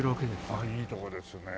あっいいところですね。